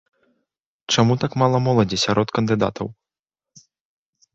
Чаму так мала моладзі сярод кандыдатаў?